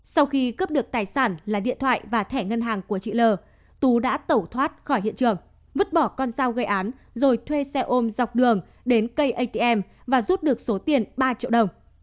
sau khi cướp được tài sản là điện thoại và thẻ ngân hàng của chị l tú đã tẩu thoát khỏi hiện trường vứt bỏ con dao gây án rồi thuê xe ôm dọc đường đến cây atm và rút được số tiền ba triệu đồng